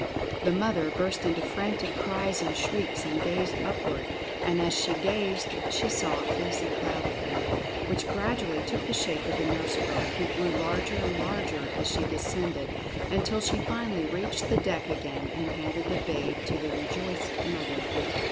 The mother burst into frantic cries and shrieks and gazed upward; and as she gazed she saw a fleecy cloud appear, which grad ually took the shape of the nurse girl, who grew larger and larger as she descended, until she finally reached the deck again and handed the babe to the rejoiced mother.